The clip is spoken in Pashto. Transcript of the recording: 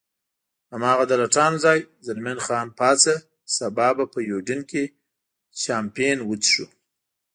هماغه د لټانو ځای، زلمی خان پاڅه، سبا به په یوډین کې چامپېن وڅښو.